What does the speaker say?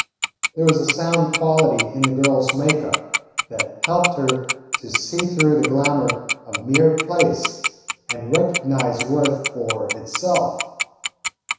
There was a sound quality in the girl's make up that helped her to see through the glamour of mere place and recognise worth for itself.